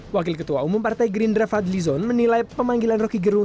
wakil ketua umum partai gerindra fadlizon menilai pemanggilan roky gerung